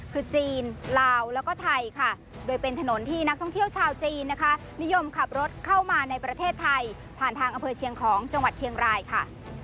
คือจีนลาวแล้วก็ไทยค่ะ